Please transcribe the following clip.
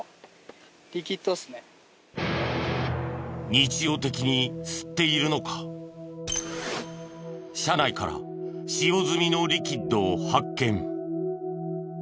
日常的に吸っているのか車内から使用済みのリキッドを発見。